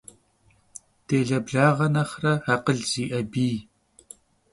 Делэ благъэ нэхърэ, акъыл зиӀэ бий.